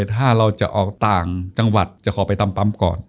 ถ้าเราจะออกต่างจังหวัดจะขอไปตามปั๊มก่อน